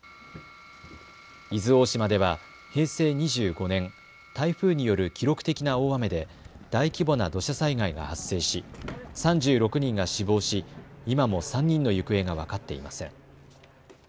伊豆大島では平成２５年、台風による記録的な大雨で大規模な土砂災害が発生し３６人が死亡し今も３人の行方が分かっていません。